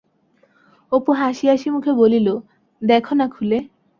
অপু হাসি-হাসি মুখে বলিল, দেখো না খুলে?